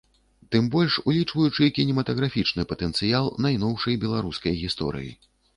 Тым больш, улічваючы кінематаграфічны патэнцыял найноўшай беларускай гісторыі.